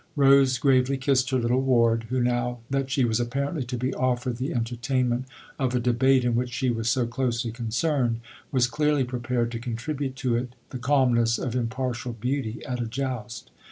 Rose gravely kissed her little ward, who, now that she was apparently to be offered the entertain ment of a debate in which she was so closely concerned, was clearly prepared to contribute to it the calmness of impartial beauty at a joust.